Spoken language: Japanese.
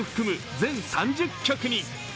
全３０曲に。